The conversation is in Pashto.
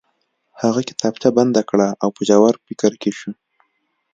هغه کتابچه بنده کړه او په ژور فکر کې شو